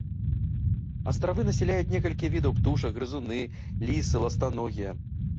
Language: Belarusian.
Астравы насяляюць некалькі відаў птушак, грызуны, лісы, ластаногія.